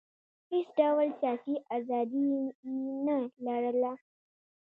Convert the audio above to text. هېڅ ډول سیاسي ازادي یې نه لرله.